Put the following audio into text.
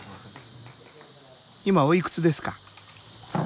今おいくつですか？